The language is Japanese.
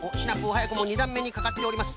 はやくも２だんめにかかっております。